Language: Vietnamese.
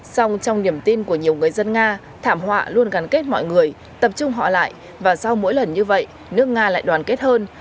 xong trong niềm tin của nhiều người dân nga thảm họa luôn gắn kết mọi người tập trung họ lại và sau mỗi lần như vậy nước nga lại đoàn kết hơn